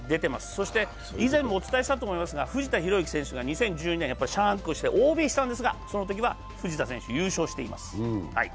そして以前もお伝えしたと思いますが藤田寛之選手が２０１９年、ＯＢしたんですが、そのときは藤田選手、優勝しています。